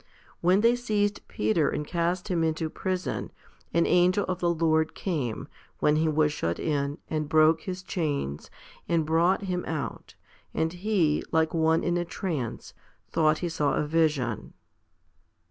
When they seized Peter and cast him into prison, an angel of the Lord came, when he was shut in, and broke his chains, and brought him out ; and he, like one in a trance, thought he saw a vision.